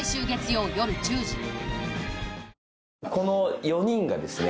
この４人がですね